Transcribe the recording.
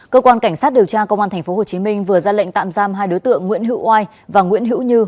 cơ quan cảnh sát điều tra công an tp hồ chí minh vừa ra lệnh tạm giam hai đối tượng nguyễn hữu oai và nguyễn hữu như